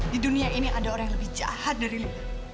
di dunia ini ada orang yang lebih jahat dari luar